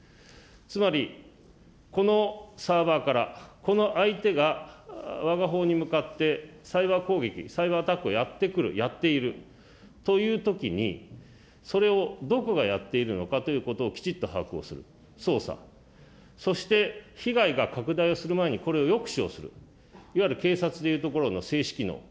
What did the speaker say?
つまり、このサーバーから、この相手がわがほうに向かってサイバー攻撃、サイバーアタックをやってくる、やっているというときに、それをどこがやっているのかということをきちっと把握をする、捜査、そして被害が拡大をする前にこれを抑止をする、いわゆる警察でいうところの制止機能。